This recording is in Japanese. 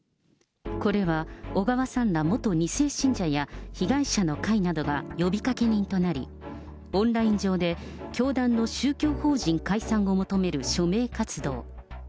これは、小川さんら元２世信者や被害者の会などが呼びかけ人となり、オンライン上で、教団の宗教法人解散を求める署名活動。